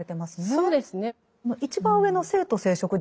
そうですね。